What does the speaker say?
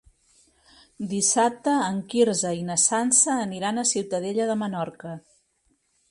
Dissabte en Quirze i na Sança aniran a Ciutadella de Menorca.